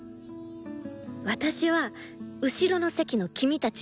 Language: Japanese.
私は後ろの席の君たち